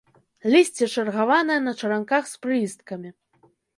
Лісце чаргаванае, на чаранках, з прылісткамі.